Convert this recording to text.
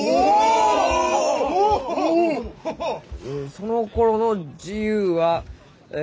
「そのころの自由は」。